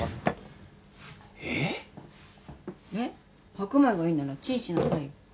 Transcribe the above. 白米がいいならチンしなさいよ。